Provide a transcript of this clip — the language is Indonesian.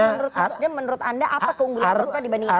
nasdem menurut anda apa keunggulan itu dibandingin ahai